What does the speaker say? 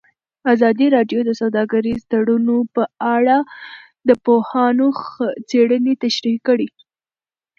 ازادي راډیو د سوداګریز تړونونه په اړه د پوهانو څېړنې تشریح کړې.